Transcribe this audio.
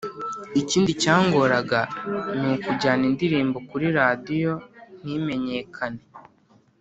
Ikindi cyangoraga ni ukujyana indirimbo kuri radiyo ntimenyekane.